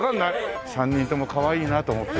３人ともかわいいなと思って。